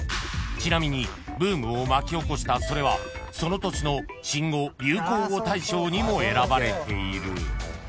［ちなみにブームを巻き起こしたそれはその年の新語・流行語大賞にも選ばれている］